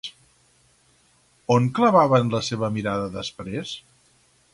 On clavaven la seva mirada després?